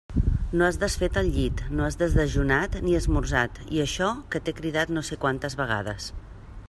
No has desfet el llit, no has desdejunat ni esmorzat, i això que t'he cridat no sé quantes vegades!